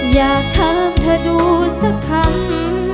อยากถามเธอดูสักคำ